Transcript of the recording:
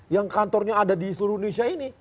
yang kantornya ada di seluruh indonesia ini